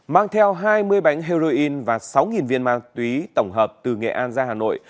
mang theo hai mươi bánh heroin và sáu viên ma túy tổng hợp từ nghệ an ra hà nội